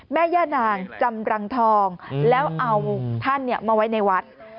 แม่ย่านางจำรังทองแล้วเอาท่านมาไว้ในวัด